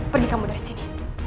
pergi kamu dari sini